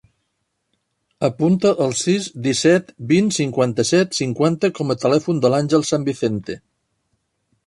Apunta el sis, disset, vint, cinquanta-set, cinquanta com a telèfon de l'Àngel San Vicente.